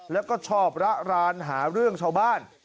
แล้วก็ชอบระรานหาเรื่องชาวบ้าน